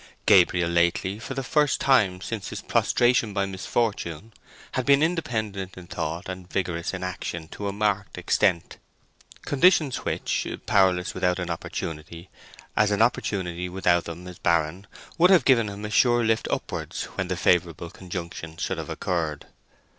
Gabriel lately, for the first time since his prostration by misfortune, had been independent in thought and vigorous in action to a marked extent—conditions which, powerless without an opportunity as an opportunity without them is barren, would have given him a sure lift upwards when the favourable conjunction should have occurred.